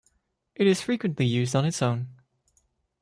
It is frequently used on its own.